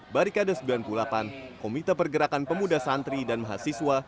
barikade sembilan puluh delapan komite pergerakan pemuda santri dan mahasiswa